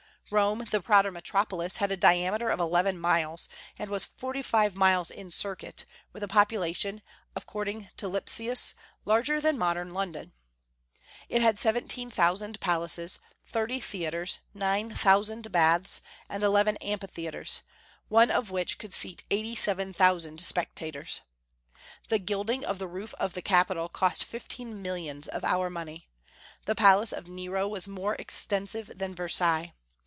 Rome, the proud metropolis, had a diameter of eleven miles, and was forty five miles in circuit, with a population, according to Lipsius, larger than modern London. It had seventeen thousand palaces, thirty theatres, nine thousand baths, and eleven amphitheatres, one of which could seat eighty seven thousand spectators. The gilding of the roof of the capitol cost fifteen millions of our money. The palace of Nero was more extensive than Versailles.